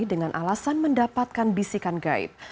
dengan alasan mendapatkan bisikan gaib